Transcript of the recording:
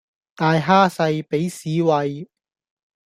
大蝦細俾屎餵